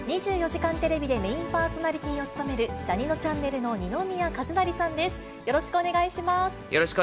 ２４時間テレビでメインパーソナリティーを務める、ジャにのちゃんねるの二宮和也さんです。